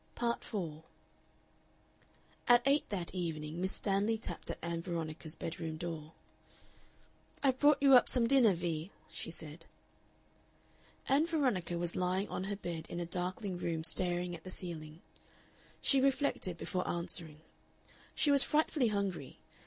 Part 4 At eight that evening Miss Stanley tapped at Ann Veronica's bedroom door. "I've brought you up some dinner, Vee," she said. Ann Veronica was lying on her bed in a darkling room staring at the ceiling. She reflected before answering. She was frightfully hungry.